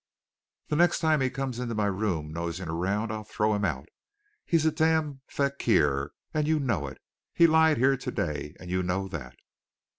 The next time he comes into my room nosing about I'll throw him out. He's a damned fakir, and you know it. He lied here today, and you know that."